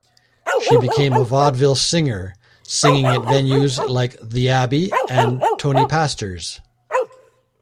She became a vaudeville singer, singing at venues like The Abbey and Tony Pastor's.